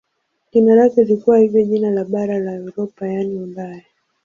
Jina lake lilikuwa hivyo jina la bara la Europa yaani Ulaya.